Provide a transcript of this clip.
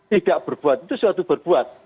tidak berbuat itu suatu berbuat